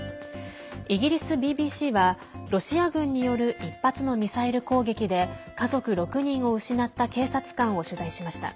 イギリスＢＢＣはロシア軍による１発のミサイル攻撃で家族６人を失った警察官を取材しました。